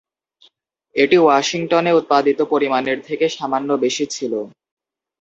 এটি ওয়াশিংটনে উৎপাদিত পরিমাণের থেকে সামান্য বেশি ছিল।